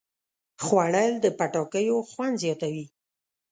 خوړل د پټاکیو خوند زیاتوي